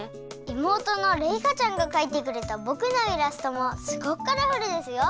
妹のれいかちゃんがかいてくれたぼくのイラストもすごくカラフルですよ！